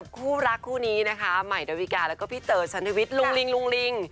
คู่รักคู่นี้นะคะใหม่ดาวิกาแล้วก็พี่เต๋อชันทวิทย์ลุงลิงลุงลิง